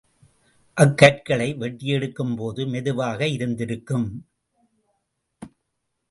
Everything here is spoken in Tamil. அக்கற்களை வெட்டி எடுக்கும் போது மெதுவாக இருந்திருக்கும்.